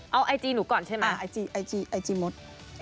เอาไอจีหนูก่อนใช่มั้ย